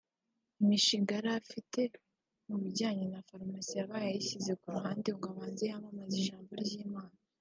Imishinga yari afite mu bijyanye na farumasi yabaye ayishyize ku ruhande ngo abanze yamamaze ijambo ry’Imana